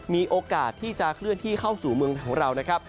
มีโอกาสที่จะเคลื่อนที่เข้าสู่เมืองของเรานะครับ